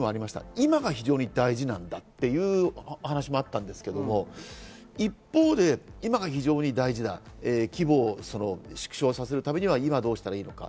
今が非常に大事なんだというお話がありましたけど、一方で、今が非常に大事だ、規模を縮小させるためには今どうしたらいいか？